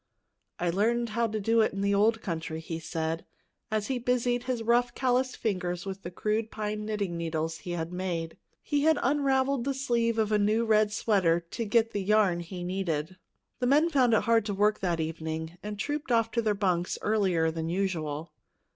"I learned how to do it in the old country," he said as he busied his rough, calloused fingers with the crude pine knitting needles he had made. He had unraveled the sleeve of a new red sweater to get the yarn he needed. The men found it hard to work that evening, and trooped off to their bunks earlier than usual.